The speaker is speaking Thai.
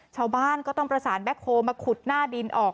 ชาวบ้านก็ต้องประสานแบ็คโฮลมาขุดหน้าดินออก